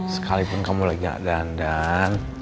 sekalipun kamu lagi gak dandan